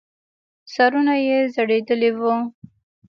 سرونه يې ځړېدلې وو.